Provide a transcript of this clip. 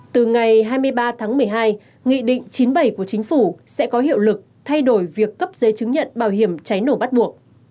từ ngày hai mươi ba tháng một mươi hai nghị định chín mươi bảy của chính phủ sẽ có hiệu lực thay đổi việc cấp giấy chứng nhận bảo hiểm cháy nổ bắt buộc